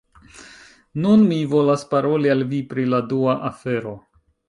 Nun, mi volas paroli al vi pri la dua afero.